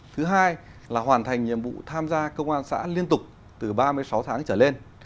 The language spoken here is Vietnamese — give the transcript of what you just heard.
thứ hai là hoàn thành nhiệm vụ tham gia công an xã liên tục từ ba mươi sáu tháng trở lên